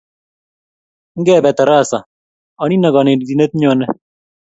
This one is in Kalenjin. Ngebe tarasa, anino kanetindet nyone